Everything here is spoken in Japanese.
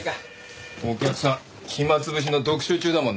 お客さん暇潰しの読書中だもんな。